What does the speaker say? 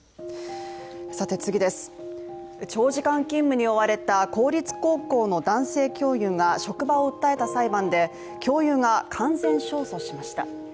長時間勤務に追われた公立高校の男性教諭が職場を訴えた裁判で、教諭が完全勝訴しました。